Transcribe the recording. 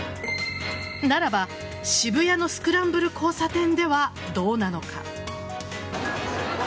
ならば渋谷のスクランブル交差点ではどうなのか。